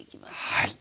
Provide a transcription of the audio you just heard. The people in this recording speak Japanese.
はい。